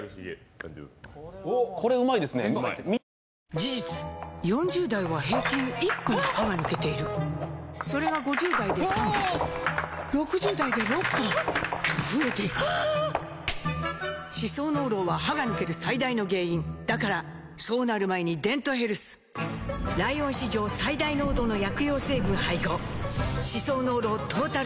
事実４０代は平均１本歯が抜けているそれが５０代で３本６０代で６本と増えていく歯槽膿漏は歯が抜ける最大の原因だからそうなる前に「デントヘルス」ライオン史上最大濃度の薬用成分配合歯槽膿漏トータルケア！